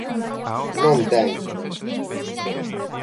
Non ten.